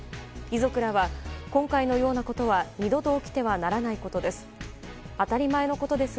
遺族らは、今回のようなことは二度と起きてはならないことです。